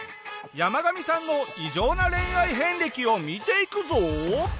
ヤマガミさんの異常な恋愛遍歴を見ていくぞ！